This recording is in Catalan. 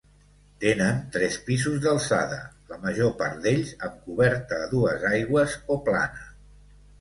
Tenen tres pisos d'alçada, la major part d'ells amb coberta a dues aigües o plana.